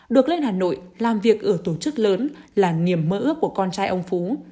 được lên hà nội làm việc ở tổ chức lớn là niềm mơ ước của con trai ông phú